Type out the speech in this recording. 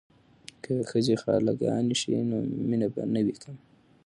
که ښځې خاله ګانې شي نو مینه به نه وي کمه.